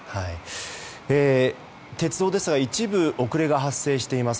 鉄道ですが一部、遅れが発生しています。